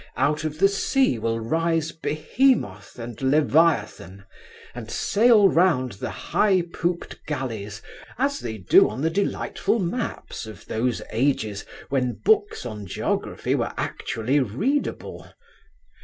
Out of the sea will rise Behemoth and Leviathan, and sail round the high pooped galleys, as they do on the delightful maps of those ages when books on geography were actually readable.